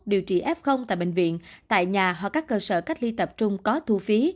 điều trị f tại bệnh viện tại nhà hoặc các cơ sở cách ly tập trung có thu phí